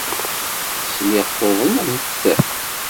Sliɣ tuḍnemt.